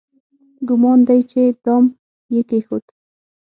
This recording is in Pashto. ګومان دی چې دام یې کېښود.